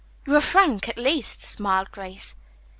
"You are frank, at least," smiled Grace.